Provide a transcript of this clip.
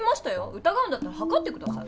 うたがうんだったらはかってください。